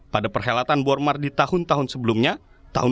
pada perhelatan bor mar di tahun tahun sebelumnya tahun dua ribu dua puluh empat